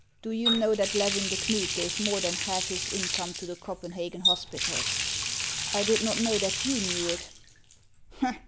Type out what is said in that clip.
Do you know that Levin de Knud gave more than half his income to the Copenhagen hospitals ?"" I did not know that you knew it."